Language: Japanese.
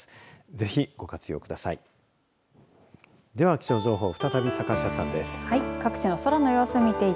ぜひ、ご活用ください。